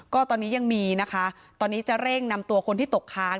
ก็ตอนนี้ยังมีนะคะตอนนี้จะเร่งนำตัวคนที่ตกค้าง